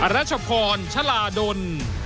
รัชพรชลาดล